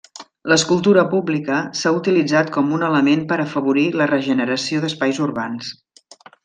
L'escultura pública s'ha utilitzat com un element per afavorir la regeneració d'espais urbans.